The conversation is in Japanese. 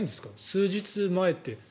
数日前って。